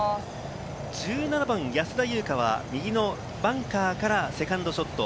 １７番の安田祐香は右のバンカーからセカンドショット。